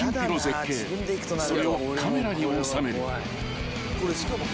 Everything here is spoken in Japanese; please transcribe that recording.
［それをカメラに収める］